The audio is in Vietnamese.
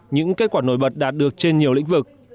những kết quả nổi bật đạt được trên nhiều lĩnh vực